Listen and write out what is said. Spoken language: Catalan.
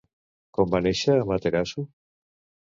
Com va néixer Amaterasu?